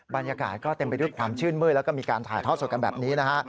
บรรยากาศก็เต็มไปด้วยความชื่นมืดแล้วก็มีการถ่ายทอดสดกันแบบนี้นะฮะ